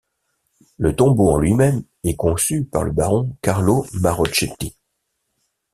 Le tombeau en lui-même est conçu par le baron Carlo Marochetti.